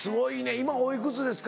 今おいくつですか？